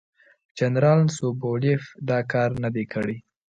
جنرال سوبولیف دا کار نه دی کړی.